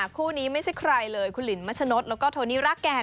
คู่นี้ไม่ใช่ใครเลยคุณหลินมัชนดแล้วก็โทนี่ราแกน